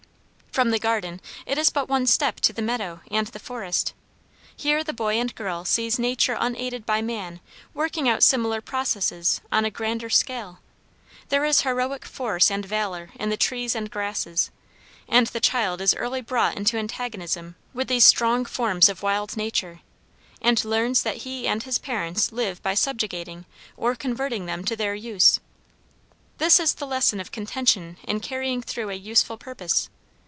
From the garden it is but one step to the meadow and the forest. Here the boy and girl sees nature unaided by man working out similar processes on a grander scale. There is heroic force and valor in the trees and grasses, and the child is early brought into antagonism with these strong forms of wild nature, and learns that he and his parents live by subjugating or converting them to their use. This is the lesson of contention in carrying through a useful purpose.